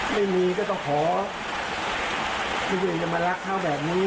ไม่มีก็ต้องขอที่เวียงจะมารักข้าวแบบนี้